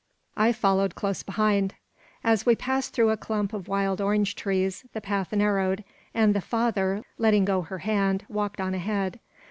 I followed close behind. As we passed through a clump of wild orange trees, the path narrowed; and the father, letting go her hand, walked on ahead.